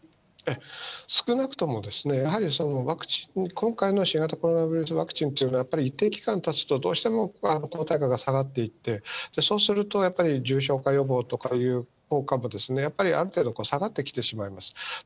少なくとも、やはりワクチン、今回の新型コロナウイルスのワクチンというのはやっぱり、一定期間たつとどうしても抗体価が下がっていって、そうすると、やっぱり重症化予防とかいう効果も、やっぱりある程度、下がってきてしまいます。